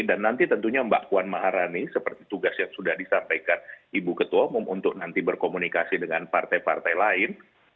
dan nanti tentunya mbak puan maharani seperti tugas yang sudah disampaikan ibu ketua umum untuk nanti berkomunikasi dengan partai partai lain